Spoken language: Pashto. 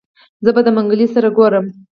زه به د منګلي سره ګورم.